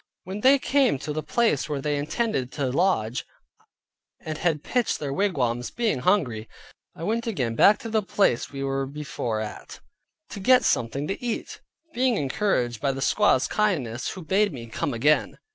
When they came to the place where they intended to lodge, and had pitched their wigwams, being hungry, I went again back to the place we were before at, to get something to eat, being encouraged by the squaw's kindness, who bade me come again.